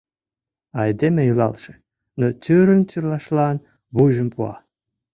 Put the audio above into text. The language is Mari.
Айдеме илалше, но тӱрым тӱрлашлан вуйжым пуа.